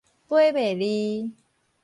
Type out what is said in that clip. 掰袂離